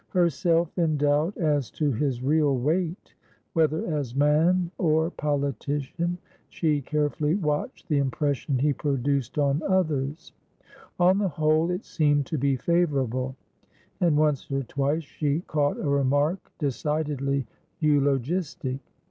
Herself in doubt as to his real weight, whether as man or politician, she carefully watched the impression he produced on others; on the whole it seemed to be favourable, and once or twice she caught a remark decidedly eulogistic.